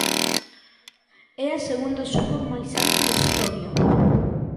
É a segunda suba máis alta da historia.